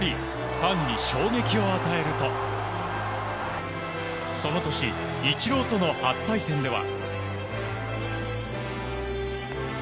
ファンに衝撃を与えるとその年イチローとの初対戦では。